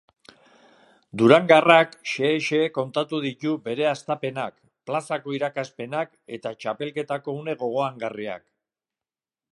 Durangarrak xehe-xehe kontatu ditu bere hastapenak, plazako irakaspenak eta txapelketako une gogoangarriak.